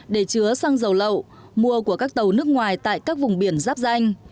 để chứa xăng dầu lậu mua của các tàu nước ngoài tại các vùng biển giáp danh